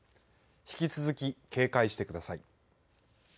引き続き警戒してください。